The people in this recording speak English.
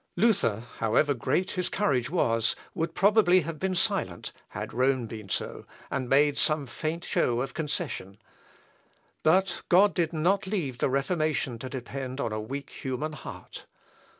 Luther, however great his courage was, would probably have been silent had Rome been so and made some faint show of concession. But God did not leave the Reformation to depend on a weak human heart.